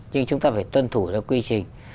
nhưng chúng ta phải tuân thủ ra quy trình